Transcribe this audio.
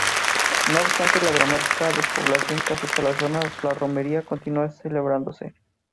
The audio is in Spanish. No obstante la dramática despoblación que afecta la zona, la romería continúa celebrándose.